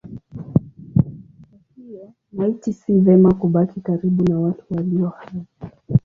Kwa hiyo maiti si vema kubaki karibu na watu walio hai.